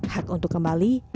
hak untuk kembali